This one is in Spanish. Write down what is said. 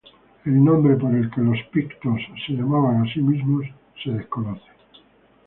El nombre por el que los pictos se llamaban a sí mismos es desconocido.